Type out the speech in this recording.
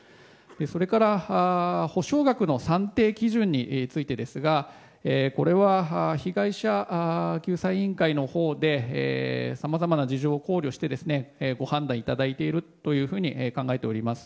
それから補償額の算定基準についてですがこれは被害者救済委員会のほうでさまざまな事情を考慮してご判断いただいているというふうに考えております。